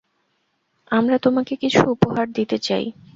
আমরা তোমাকে কিছু উপহার দিতে চাই।